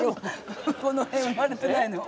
この辺生まれてないの。